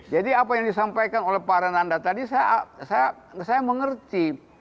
jadi apa yang disampaikan oleh pak renanda tadi saya mengerti